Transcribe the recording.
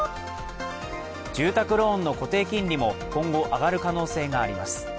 住宅ローンの固定金利も今後上がる可能性があります。